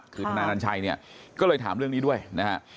คือทนายอนัญชัยเนี่ยก็เลยถามเรื่องนี้ด้วยนะฮะ